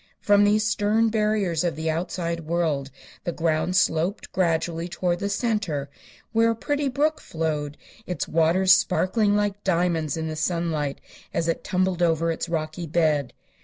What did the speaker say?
From these stern barriers of the outside world the ground sloped gradually toward the center, where a pretty brook flowed, its waters sparkling like diamonds in the sunlight as it tumbled over its rocky bed.